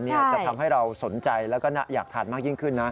จะทำให้เราสนใจแล้วก็อยากทานมากยิ่งขึ้นนะ